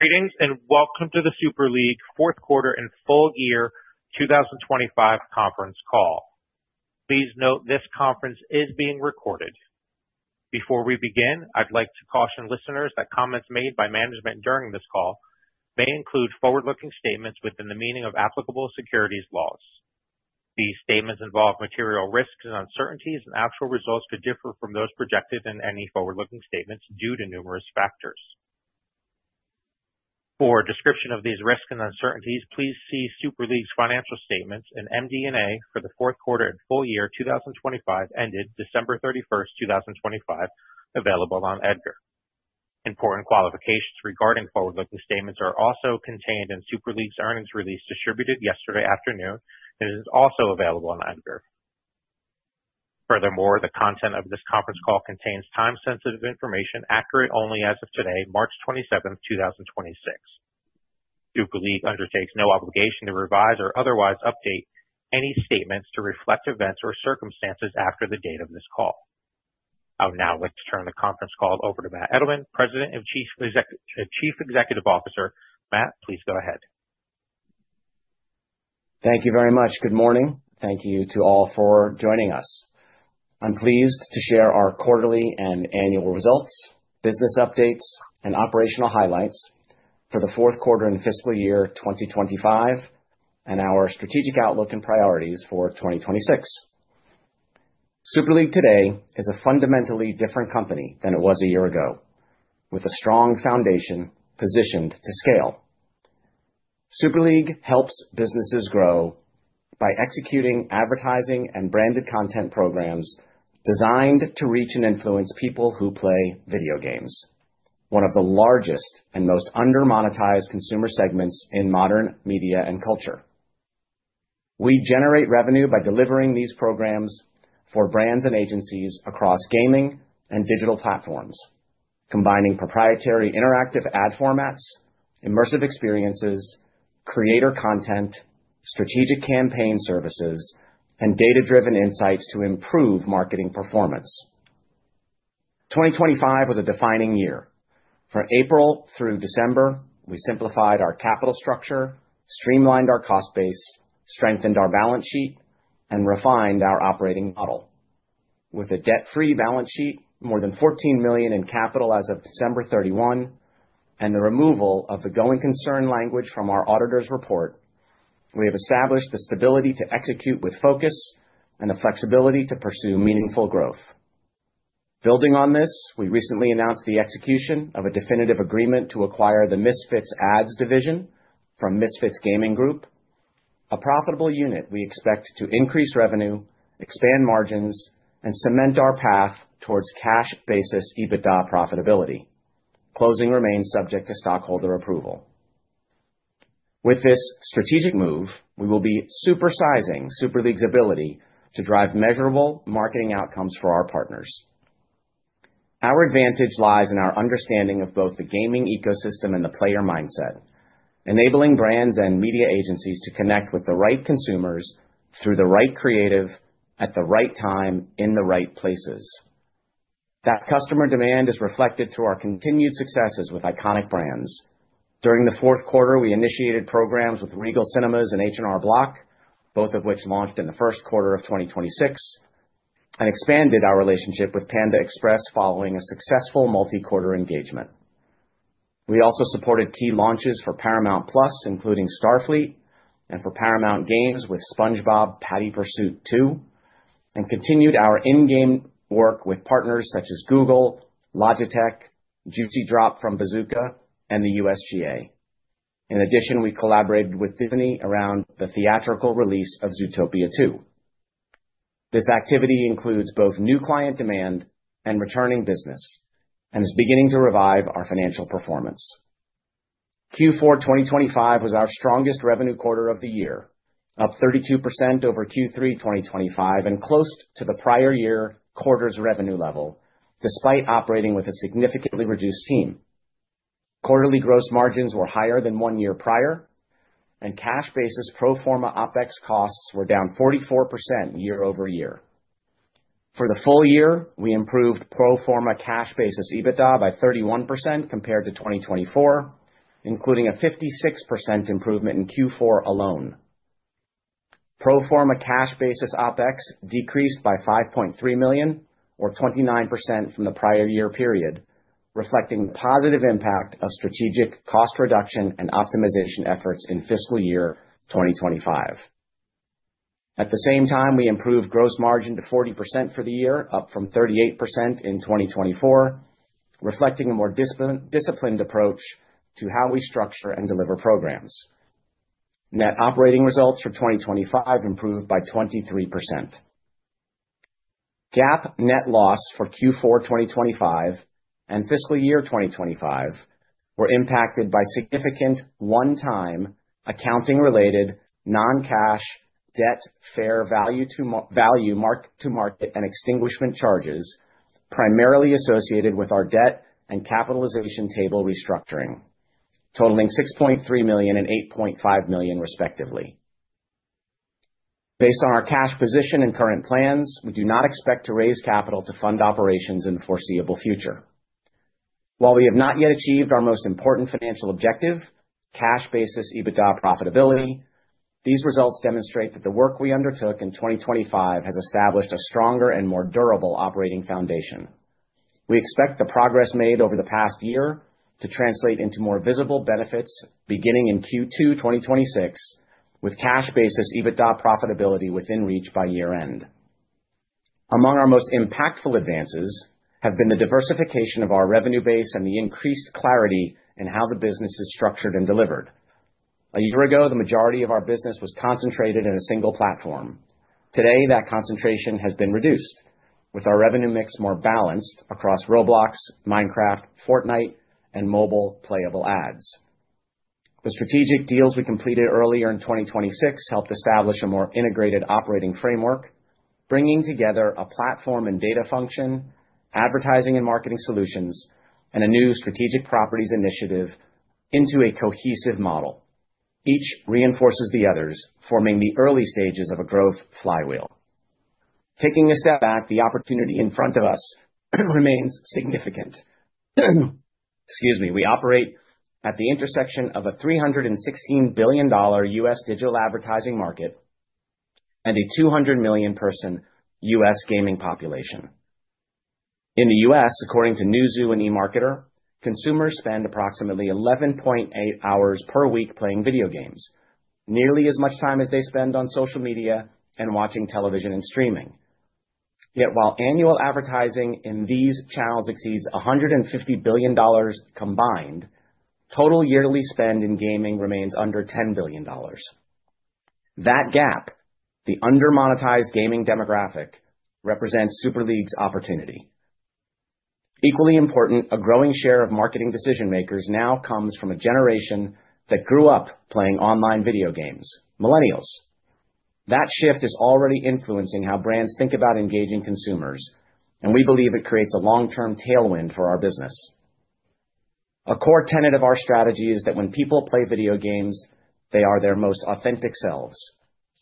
Greetings, and welcome to the Super League fourth quarter and full year 2025 conference call. Please note this conference is being recorded. Before we begin, I'd like to caution listeners that comments made by management during this call may include forward-looking statements within the meaning of applicable securities laws. These statements involve material risks and uncertainties, and actual results could differ from those projected in any forward-looking statements due to numerous factors. For a description of these risks and uncertainties, please see Super League's financial statements in MD&A for the fourth quarter and full year 2025 ended December 31st, 2025, available on EDGAR. Important qualifications regarding forward-looking statements are also contained in Super League's earnings release distributed yesterday afternoon and is also available on EDGAR. Furthermore, the content of this conference call contains time-sensitive information, accurate only as of today, March 27th, 2026. Super League undertakes no obligation to revise or otherwise update any statements to reflect events or circumstances after the date of this call. I would now like to turn the conference call over to Matt Edelman, President and Chief Executive Officer. Matt, please go ahead. Thank you very much. Good morning. Thank you to all for joining us. I'm pleased to share our quarterly and annual results, business updates, and operational highlights for the fourth quarter and fiscal year 2025, and our strategic outlook and priorities for 2026. Super League today is a fundamentally different company than it was a year ago, with a strong foundation positioned to scale. Super League helps businesses grow by executing advertising and branded content programs designed to reach and influence people who play video games, one of the largest and most under-monetized consumer segments in modern media and culture. We generate revenue by delivering these programs for brands and agencies across gaming and digital platforms, combining proprietary interactive ad formats, immersive experiences, creator content, strategic campaign services, and data-driven insights to improve marketing performance. 2025 was a defining year. For April through December, we simplified our capital structure, streamlined our cost base, strengthened our balance sheet, and refined our operating model. With a debt-free balance sheet, more than $14 million in capital as of December 31, and the removal of the going concern language from our auditor's report, we have established the stability to execute with focus and the flexibility to pursue meaningful growth. Building on this, we recently announced the execution of a definitive agreement to acquire the Misfits Ads Division from Misfits Gaming Group, a profitable unit we expect to increase revenue, expand margins, and cement our path towards cash basis EBITDA profitability. Closing remains subject to stockholder approval. With this strategic move, we will be supersizing Super League's ability to drive measurable marketing outcomes for our partners. Our advantage lies in our understanding of both the gaming ecosystem and the player mindset, enabling brands and media agencies to connect with the right consumers through the right creative at the right time in the right places. That customer demand is reflected through our continued successes with iconic brands. During the fourth quarter, we initiated programs with Regal Cinemas and H&R Block, both of which launched in the first quarter of 2026, and expanded our relationship with Panda Express following a successful multi-quarter engagement. We also supported key launches for Paramount+, including Starfleet, and for Paramount Games with SpongeBob: Patty Pursuit 2, and continued our in-game work with partners such as Google, Logitech, Juicy Drop from Bazooka, and the USGA. In addition, we collaborated with Disney around the theatrical release of Zootopia 2. This activity includes both new client demand and returning business and is beginning to revive our financial performance. Q4 2025 was our strongest revenue quarter of the year, up 32% over Q3 2025 and close to the prior year quarter's revenue level, despite operating with a significantly reduced team. Quarterly gross margins were higher than one year prior, and cash basis pro forma OpEx costs were down 44% year-over-year. For the full year, we improved pro forma cash basis EBITDA by 31% compared to 2024, including a 56% improvement in Q4 alone. Pro forma cash basis OpEx decreased by $5.3 million or 29% from the prior year period, reflecting the positive impact of strategic cost reduction and optimization efforts in fiscal year 2025. At the same time, we improved gross margin to 40% for the year, up from 38% in 2024, reflecting a more disciplined approach to how we structure and deliver programs. Net operating results for 2025 improved by 23%. GAAP net loss for Q4 2025 and fiscal year 2025 were impacted by significant one-time accounting-related non-cash debt fair value mark-to-market and extinguishment charges, primarily associated with our debt and capitalization table restructuring, totaling $6.3 million and $8.5 million, respectively. Based on our cash position and current plans, we do not expect to raise capital to fund operations in the foreseeable future. While we have not yet achieved our most important financial objective, cash basis EBITDA profitability, these results demonstrate that the work we undertook in 2025 has established a stronger and more durable operating foundation. We expect the progress made over the past year to translate into more visible benefits beginning in Q2 2026, with cash basis EBITDA profitability within reach by year-end. Among our most impactful advances have been the diversification of our revenue base and the increased clarity in how the business is structured and delivered. A year ago, the majority of our business was concentrated in a single platform. Today, that concentration has been reduced with our revenue mix more balanced across Roblox, Minecraft, Fortnite, and mobile playable ads. The strategic deals we completed earlier in 2026 helped establish a more integrated operating framework, bringing together a platform and data function, advertising and marketing solutions, and a new strategic properties initiative into a cohesive model. Each reinforces the others, forming the early stages of a growth flywheel. Taking a step back, the opportunity in front of us remains significant. Excuse me. We operate at the intersection of a $316 billion U.S. digital advertising market and a 200 million person U.S. gaming population. In the U.S., according to Newzoo and eMarketer, consumers spend approximately 11.8 hours per week playing video games, nearly as much time as they spend on social media and watching television and streaming. Yet while annual advertising in these channels exceeds $150 billion combined, total yearly spend in gaming remains under $10 billion. That gap, the under-monetized gaming demographic, represents Super League's opportunity. Equally important, a growing share of marketing decision-makers now comes from a generation that grew up playing online video games, millennials. That shift is already influencing how brands think about engaging consumers, and we believe it creates a long-term tailwind for our business. A core tenet of our strategy is that when people play video games, they are their most authentic selves.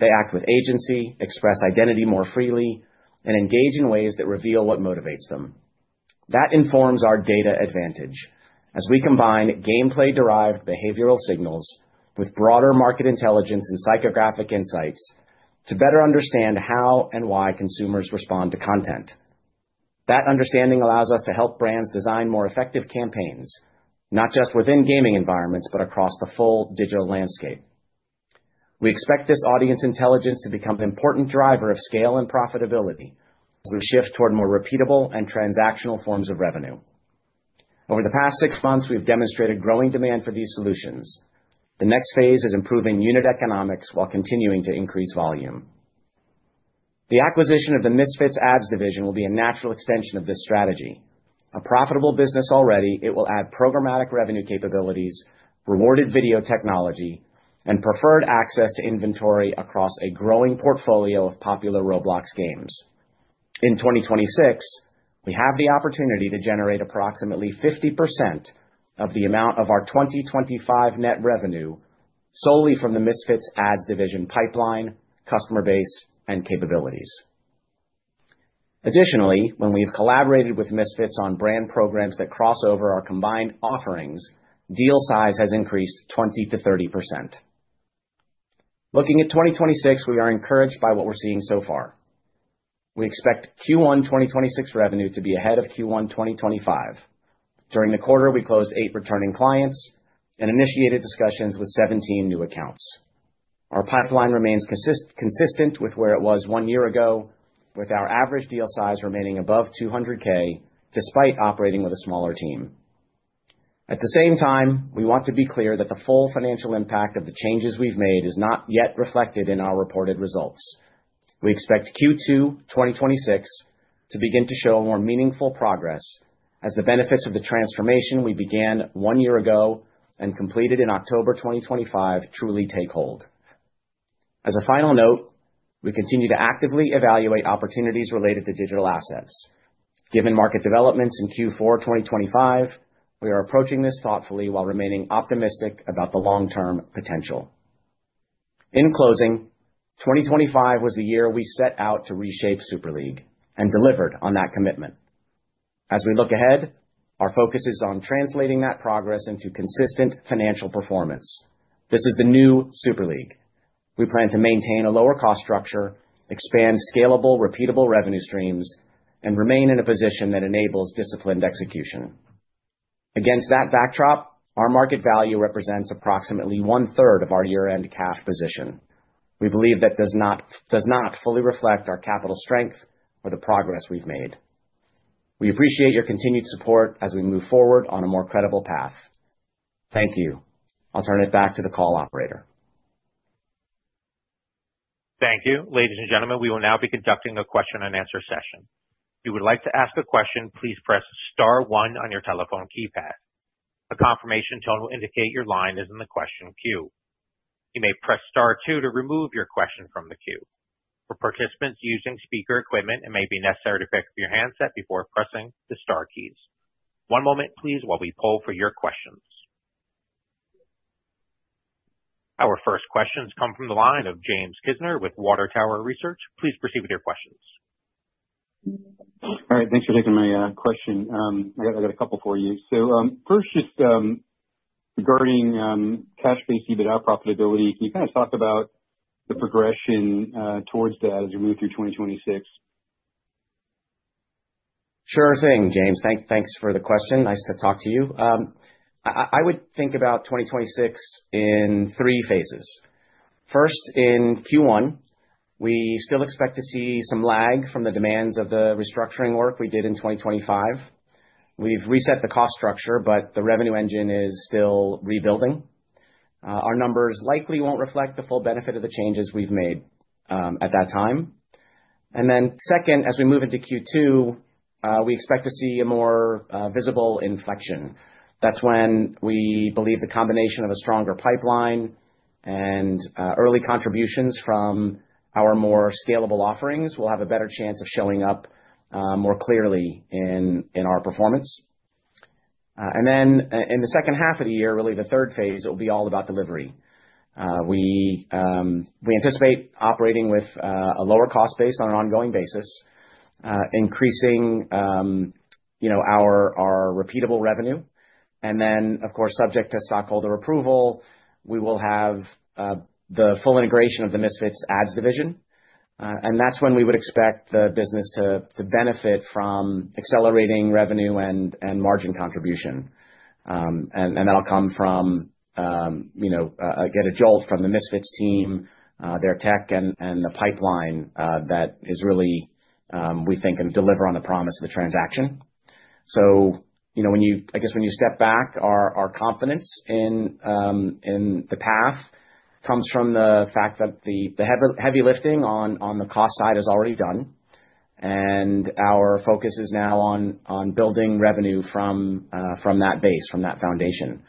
They act with agency, express identity more freely, and engage in ways that reveal what motivates them. That informs our data advantage as we combine gameplay-derived behavioral signals with broader market intelligence and psychographic insights to better understand how and why consumers respond to content. That understanding allows us to help brands design more effective campaigns, not just within gaming environments, but across the full digital landscape. We expect this audience intelligence to become an important driver of scale and profitability as we shift toward more repeatable and transactional forms of revenue. Over the past six months, we've demonstrated growing demand for these solutions. The next phase is improving unit economics while continuing to increase volume. The acquisition of the Misfits Ads Division will be a natural extension of this strategy. A profitable business already, it will add programmatic revenue capabilities, rewarded video technology, and preferred access to inventory across a growing portfolio of popular Roblox games. In 2026, we have the opportunity to generate approximately 50% of the amount of our 2025 net revenue solely from the Misfits Ads Division pipeline, customer base, and capabilities. Additionally, when we've collaborated with Misfits on brand programs that cross over our combined offerings, deal size has increased 20%-30%. Looking at 2026, we are encouraged by what we're seeing so far. We expect Q1 2026 revenue to be ahead of Q1 2025. During the quarter, we closed eight returning clients and initiated discussions with 17 new accounts. Our pipeline remains consistent with where it was one year ago, with our average deal size remaining above $200K despite operating with a smaller team. At the same time, we want to be clear that the full financial impact of the changes we've made is not yet reflected in our reported results. We expect Q2 2026 to begin to show more meaningful progress as the benefits of the transformation we began one year ago and completed in October 2025 truly take hold. As a final note, we continue to actively evaluate opportunities related to digital assets. Given market developments in Q4 2025, we are approaching this thoughtfully while remaining optimistic about the long-term potential. In closing, 2025 was the year we set out to reshape Super League and delivered on that commitment. As we look ahead, our focus is on translating that progress into consistent financial performance. This is the new Super League. We plan to maintain a lower cost structure, expand scalable, repeatable revenue streams, and remain in a position that enables disciplined execution. Against that backdrop, our market value represents approximately 1/3 of our year-end cash position. We believe that does not fully reflect our capital strength or the progress we've made. We appreciate your continued support as we move forward on a more credible path. Thank you. I'll turn it back to the call operator. Thank you. Ladies and gentlemen, we will now be conducting a question and answer session. If you would like to ask a question, please press star one on your telephone keypad. A confirmation tone will indicate your line is in the question queue. You may press star two to remove your question from the queue. For participants using speaker equipment, it may be necessary to pick up your handset before pressing the star keys. One moment please while we poll for your questions. Our first questions come from the line of James Kisner with Water Tower Research. Please proceed with your questions. All right. Thanks for taking my question. I got a couple for you. First, just regarding cash-based EBITDA profitability, can you kind of talk about the progression towards that as you move through 2026? Sure thing, James. Thanks for the question. Nice to talk to you. I would think about 2026 in three phases. First, in Q1, we still expect to see some lag from the demands of the restructuring work we did in 2025. We've reset the cost structure, but the revenue engine is still rebuilding. Our numbers likely won't reflect the full benefit of the changes we've made at that time. Second, as we move into Q2, we expect to see a more visible inflection. That's when we believe the combination of a stronger pipeline and early contributions from our more scalable offerings will have a better chance of showing up more clearly in our performance. In the second half of the year, really the third phase, it will be all about delivery. We anticipate operating with a lower cost base on an ongoing basis, increasing, you know, our repeatable revenue. Then, of course, subject to stockholder approval, we will have the full integration of the Misfits Ads Division. That's when we would expect the business to benefit from accelerating revenue and margin contribution. That'll come from, you know, again, a jolt from the Misfits team, their tech and the pipeline that is really, we think, can deliver on the promise of the transaction. you know, when you—I guess when you step back, our confidence in the path comes from the fact that the heavy lifting on the cost side is already done, and our focus is now on building revenue from that base, from that foundation.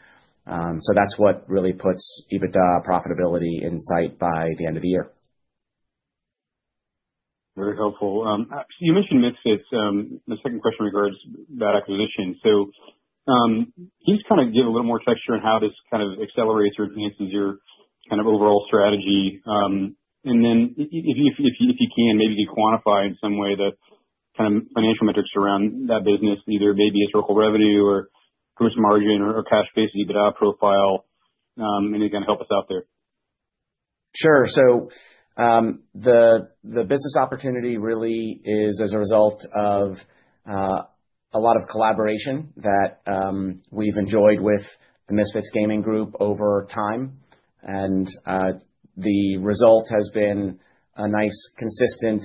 That's what really puts EBITDA profitability in sight by the end of the year. Very helpful. Actually, you mentioned Misfits. My second question regards that acquisition. Can you just kinda give a little more texture on how this kind of accelerates or enhances your kind of overall strategy? And then if you can maybe quantify in some way the kind of financial metrics around that business, either maybe historical revenue or gross margin or cash-based EBITDA profile, any kinda help us out there. Sure. The business opportunity really is as a result of a lot of collaboration that we've enjoyed with the Misfits Gaming Group over time. The result has been a nice consistent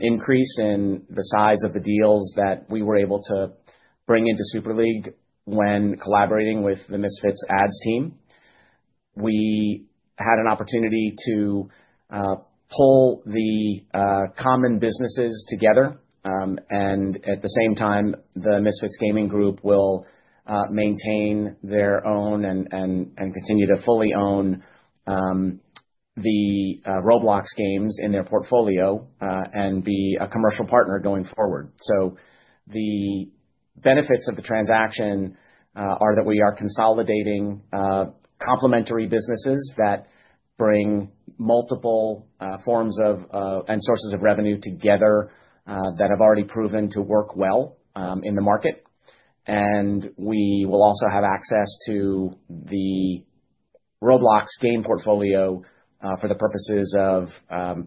increase in the size of the deals that we were able to bring into Super League when collaborating with the Misfits ads team. We had an opportunity to pull the common businesses together, and at the same time, the Misfits Gaming Group will maintain their own and continue to fully own the Roblox games in their portfolio, and be a commercial partner going forward. The benefits of the transaction are that we are consolidating complementary businesses that bring multiple forms of and sources of revenue together that have already proven to work well in the market. We will also have access to the Roblox game portfolio for the purposes of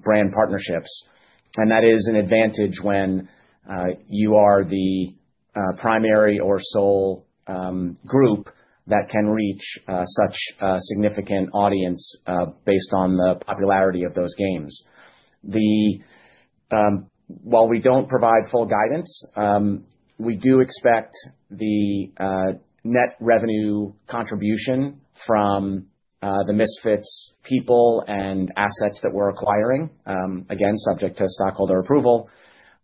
brand partnerships. That is an advantage when you are the primary or sole group that can reach such a significant audience based on the popularity of those games. While we don't provide full guidance, we do expect the net revenue contribution from the Misfits people and assets that we're acquiring, again, subject to stockholder approval.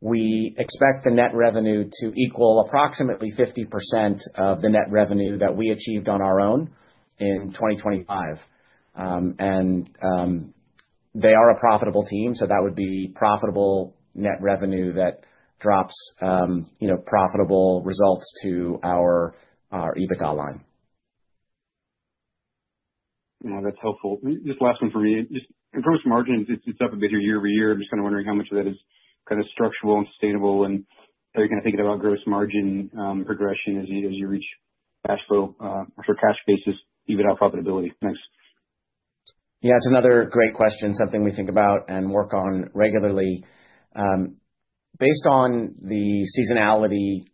We expect the net revenue to equal approximately 50% of the net revenue that we achieved on our own in 2025. They are a profitable team, so that would be profitable net revenue that drops, you know, profitable results to our EBITDA line. No, that's helpful. Just last one for me. Just in gross margins, it's up a bit year-over-year. I'm just kinda wondering how much of that is kinda structural and sustainable, and how you're gonna think about gross margin progression as you reach cash flow or for cash basis EBITDA profitability. Thanks. Yeah, it's another great question, something we think about and work on regularly. Based on the seasonality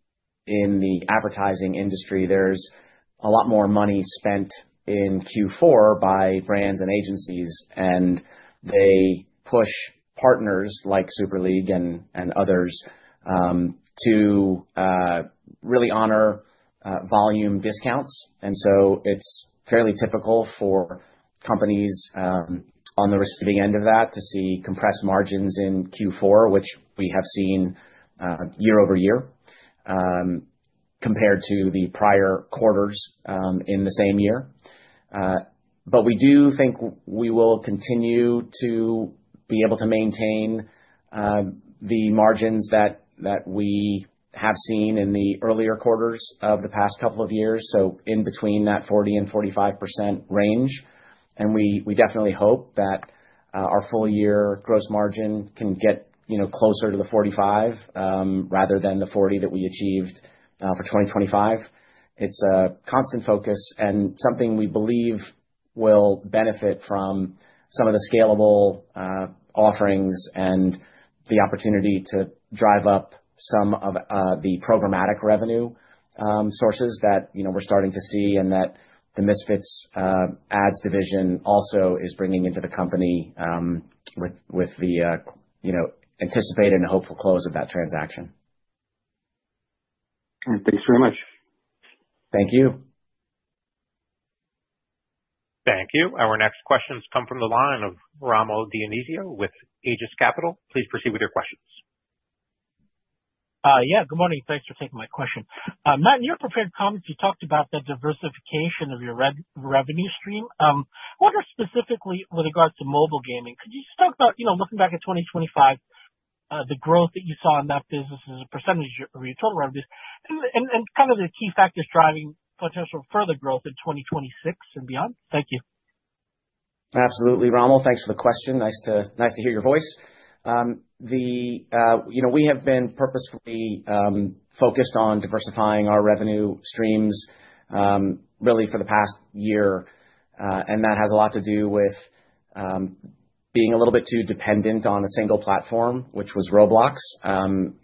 in the advertising industry, there's a lot more money spent in Q4 by brands and agencies, and they push partners like Super League and others to really honor volume discounts. It's fairly typical for companies on the receiving end of that to see compressed margins in Q4, which we have seen year-over-year compared to the prior quarters in the same year. We do think we will continue to be able to maintain the margins that we have seen in the earlier quarters of the past couple of years, so in between that 40%-45% range. We definitely hope that our full-year gross margin can get, you know, closer to the 45% rather than the 40% that we achieved for 2025. It's a constant focus and something we believe will benefit from some of the scalable offerings and the opportunity to drive up some of the programmatic revenue sources that, you know, we're starting to see, and that the Misfits Ads Division also is bringing into the company with the anticipated and hopeful close of that transaction. All right. Thanks very much. Thank you. Thank you. Our next questions come from the line of Rommel Dionisio with Aegis Capital. Please proceed with your questions. Yeah, good morning. Thanks for taking my question. Matt, in your prepared comments, you talked about the diversification of your revenue stream. I wonder specifically with regards to mobile gaming, could you talk about, you know, looking back at 2025, the growth that you saw in that business as a percentage of your total revenues and kind of the key factors driving potential further growth in 2026 and beyond? Thank you. Absolutely, Rommel. Thanks for the question. Nice to hear your voice. You know, we have been purposefully focused on diversifying our revenue streams really for the past year, and that has a lot to do with being a little bit too dependent on a single platform, which was Roblox,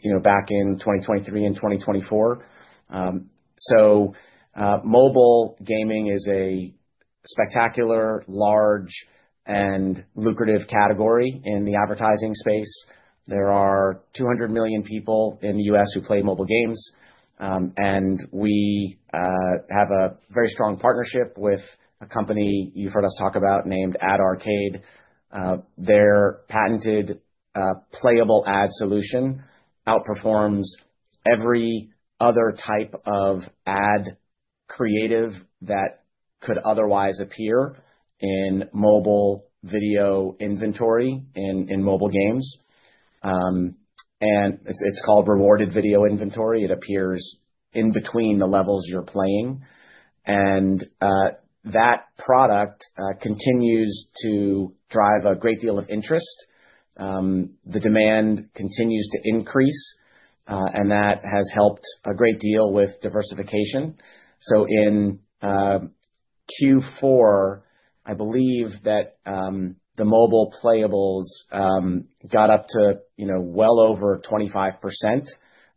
you know, back in 2023 and 2024. Mobile gaming is a spectacular, large and lucrative category in the advertising space. There are 200 million people in the U.S. who play mobile games, and we have a very strong partnership with a company you've heard us talk about named AdArcade. Their patented playable ad solution outperforms every other type of ad creative that could otherwise appear in mobile video inventory in mobile games. It's called rewarded video inventory. It appears in between the levels you're playing. That product continues to drive a great deal of interest. The demand continues to increase, and that has helped a great deal with diversification. In Q4, I believe that the mobile playables got up to, you know, well over 25%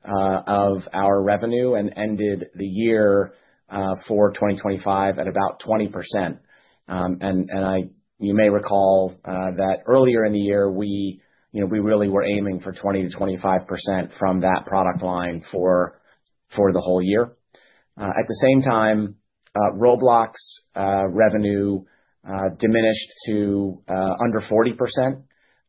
of our revenue and ended the year for 2025 at about 20%. And you may recall that earlier in the year, we, you know, we really were aiming for 20%-25% from that product line for the whole year. At the same time, Roblox revenue diminished to under 40%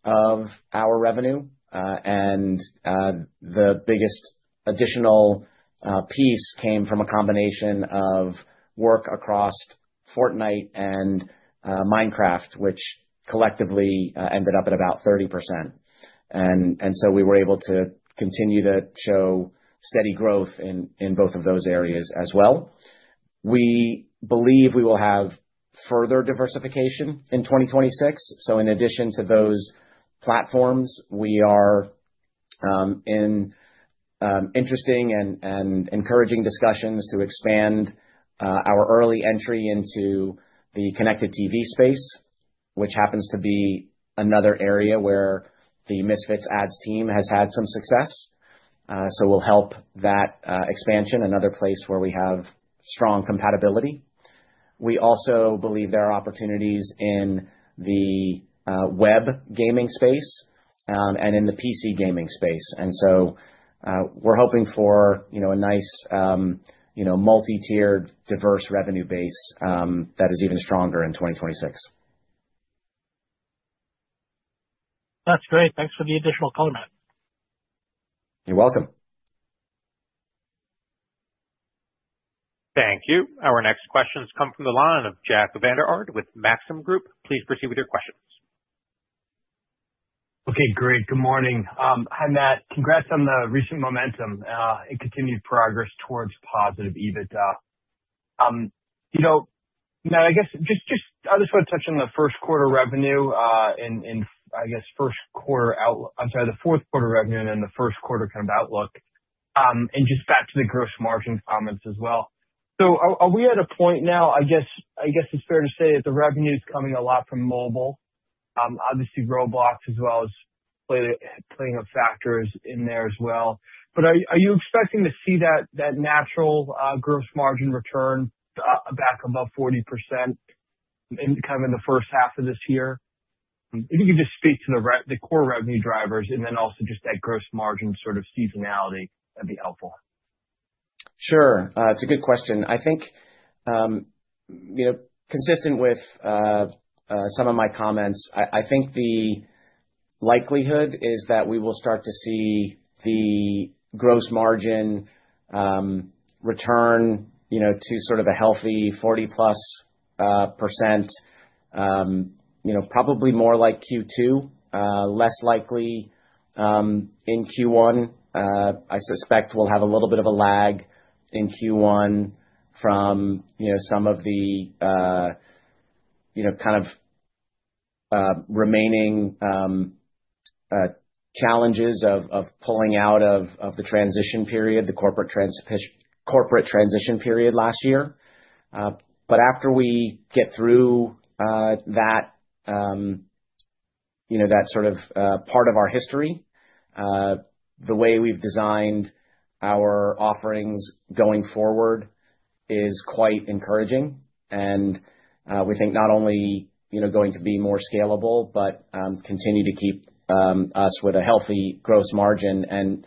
of our revenue. The biggest additional piece came from a combination of work across Fortnite and Minecraft, which collectively ended up at about 30%. We were able to continue to show steady growth in both of those areas as well. We believe we will have further diversification in 2026. In addition to those platforms, we are in interesting and encouraging discussions to expand our early entry into the connected TV space, which happens to be another area where the Misfits Ads team has had some success. We'll help that expansion, another place where we have strong compatibility. We also believe there are opportunities in the web gaming space and in the PC gaming space. We're hoping for, you know, a nice, multi-tiered, diverse revenue base that is even stronger in 2026. That's great. Thanks for the additional color, Matt. You're welcome. Thank you. Our next questions come from the line of Jack Vander Aarde with Maxim Group. Please proceed with your questions. Okay, great. Good morning. Hi, Matt. Congrats on the recent momentum and continued progress towards positive EBITDA. You know, Matt, I guess I just want to touch on the fourth quarter revenue and then the first quarter kind of outlook and just back to the gross margin comments as well. Are we at a point now? I guess it's fair to say that the revenue is coming a lot from mobile, obviously Roblox as well as playing off factors in there as well. But are you expecting to see that natural gross margin return back above 40% in the first half of this year? If you could just speak to the core revenue drivers and then also just that gross margin sort of seasonality, that'd be helpful. Sure. It's a good question. I think, you know, consistent with some of my comments, I think the likelihood is that we will start to see the gross margin return, you know, to sort of a healthy 40%+. You know, probably more like Q2. Less likely in Q1. I suspect we'll have a little bit of a lag in Q1 from, you know, some of the, you know, kind of remaining challenges of pulling out of the corporate transition period last year. After we get through that, you know, that sort of part of our history, the way we've designed our offerings going forward is quite encouraging. We think not only, you know, going to be more scalable, but continue to keep us with a healthy gross margin.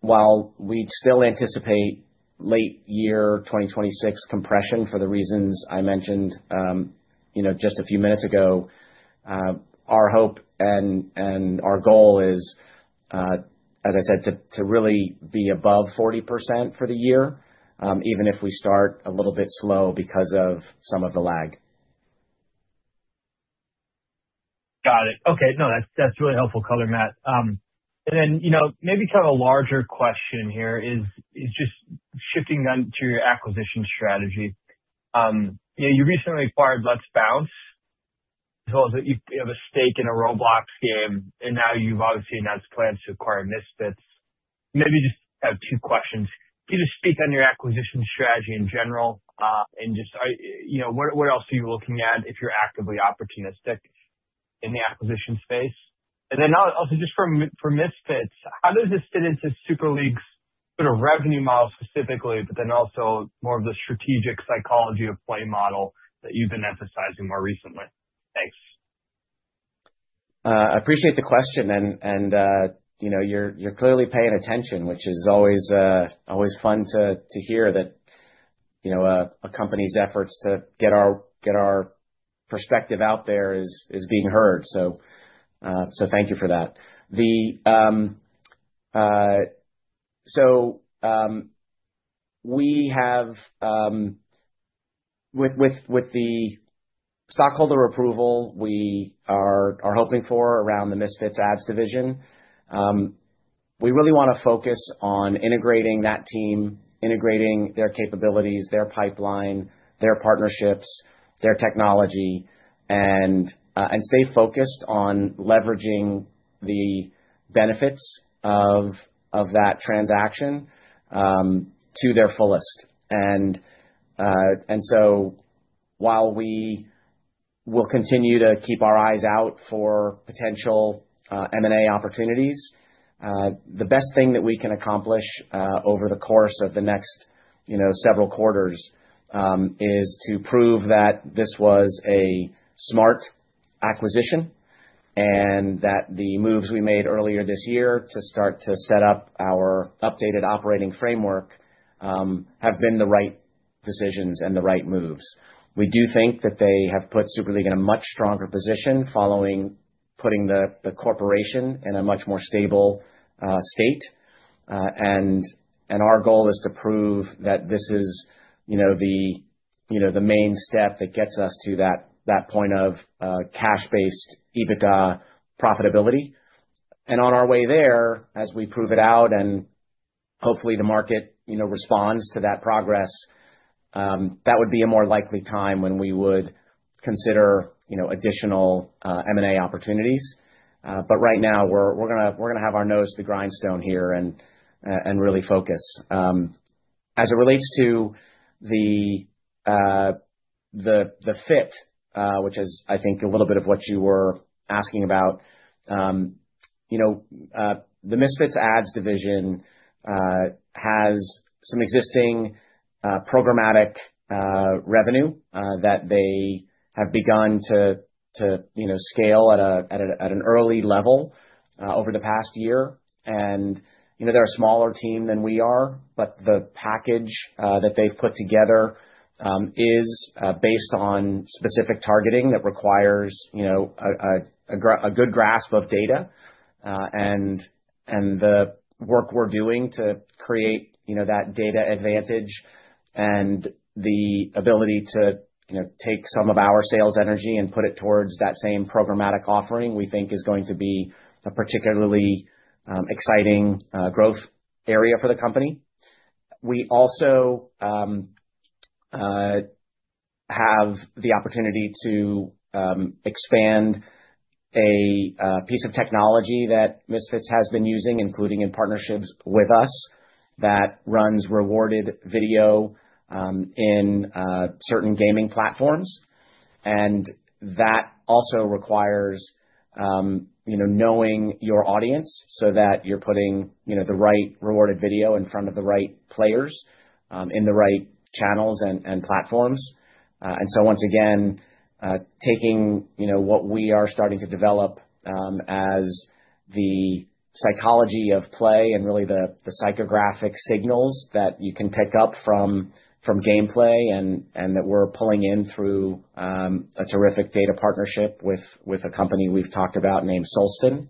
While we still anticipate late-year 2026 compression for the reasons I mentioned, you know, just a few minutes ago, our hope and our goal is, as I said, to really be above 40% for the year, even if we start a little bit slow because of some of the lag. Got it. That's really helpful color, Matt. And then, you know, maybe kind of a larger question here is just shifting on to your acquisition strategy. You know, you recently acquired Let's Bounce. So you have a stake in a Roblox game, and now you've obviously announced plans to acquire Misfits. Maybe just have two questions. Can you just speak on your acquisition strategy in general? And just, you know, what else are you looking at if you're actively opportunistic in the acquisition space? And then also just for Misfits, how does this fit into Super League's sort of revenue model specifically, but then also more of the strategic psychology of play model that you've been emphasizing more recently? Thanks. I appreciate the question. You know, you're clearly paying attention, which is always fun to hear that, you know, a company's efforts to get our perspective out there is being heard. Thank you for that. We have, with the stockholder approval we are hoping for around the Misfits Ads Division, we really wanna focus on integrating that team, integrating their capabilities, their pipeline, their partnerships, their technology, and stay focused on leveraging the benefits of that transaction to their fullest. While we will continue to keep our eyes out for potential M&A opportunities, the best thing that we can accomplish over the course of the next, you know, several quarters, is to prove that this was a smart acquisition and that the moves we made earlier this year to start to set up our updated operating framework have been the right decisions and the right moves. We do think that they have put Super League in a much stronger position following putting the corporation in a much more stable state. Our goal is to prove that this is, you know, the main step that gets us to that point of cash-based EBITDA profitability. On our way there, as we prove it out and hopefully the market, you know, responds to that progress, that would be a more likely time when we would consider, you know, additional M&A opportunities. Right now we're gonna have our nose to the grindstone here and really focus. As it relates to the fit, which is I think a little bit of what you were asking about, you know, the Misfits Ads Division has some existing programmatic revenue that they have begun to you know scale at an early level over the past year. You know, they're a smaller team than we are, but the package that they've put together is based on specific targeting that requires, you know, a good grasp of data. The work we're doing to create, you know, that data advantage and the ability to, you know, take some of our sales energy and put it towards that same programmatic offering, we think is going to be a particularly exciting growth area for the company. We also have the opportunity to expand a piece of technology that Misfits has been using, including in partnerships with us, that runs rewarded video in certain gaming platforms. That also requires, you know, knowing your audience so that you're putting, you know, the right rewarded video in front of the right players, in the right channels and platforms. Once again, taking, you know, what we are starting to develop as the psychology of play and really the psychographic signals that you can pick up from gameplay and that we're pulling in through a terrific data partnership with a company we've talked about named Solsten.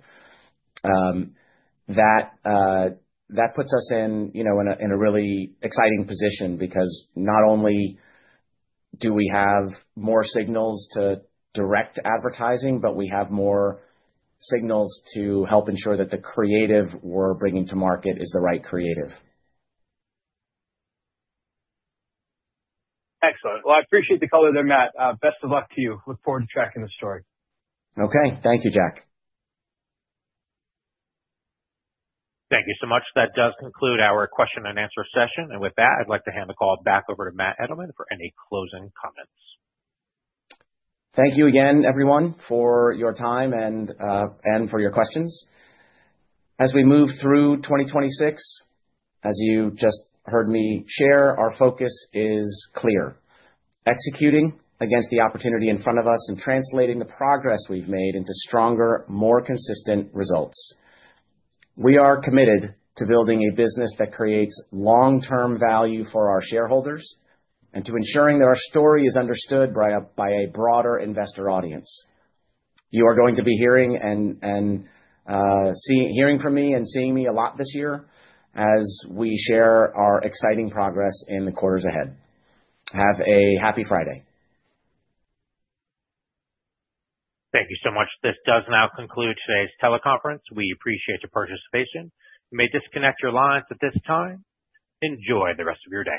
That puts us in a really exciting position because not only do we have more signals to direct advertising, but we have more signals to help ensure that the creative we're bringing to market is the right creative. Excellent. Well, I appreciate the color there, Matt. Best of luck to you. I look forward to tracking the story. Okay. Thank you, Jack. Thank you so much. That does conclude our question and answer session. With that, I'd like to hand the call back over to Matt Edelman for any closing comments. Thank you again everyone for your time and for your questions. As we move through 2026, as you just heard me share, our focus is clear, executing against the opportunity in front of us and translating the progress we've made into stronger, more consistent results. We are committed to building a business that creates long-term value for our shareholders and to ensuring that our story is understood by a broader investor audience. You are going to be hearing from me and seeing me a lot this year as we share our exciting progress in the quarters ahead. Have a happy Friday. Thank you so much. This does now conclude today's teleconference. We appreciate your participation. You may disconnect your lines at this time. Enjoy the rest of your day.